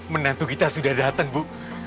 menantu kita sudah datang bu